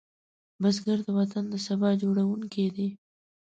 بزګر د وطن د سبا جوړوونکی دی